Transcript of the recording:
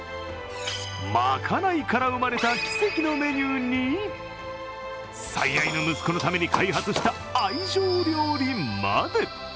賄いから生まれた奇跡のメニューに最愛の息子のために開発した愛情料理まで。